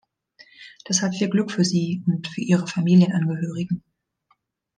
Deshalb viel Glück für Sie und für Ihre Familienangehörigen.